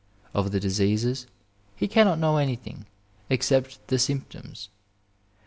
Of the diseases he cannot know anything except the symp toms.